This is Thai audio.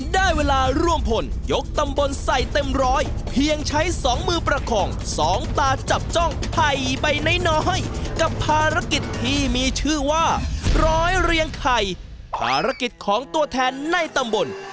ได้เวลาร่วมพลยกตำบลใส่เต็มร้อยเพียงใช้สองมือประคองสองตาจับจ้องไผ่ใบน้อยกับภารกิจที่มีชื่อว่าร้อยเรียงไข่ภารกิจของตัวแทนในตำบล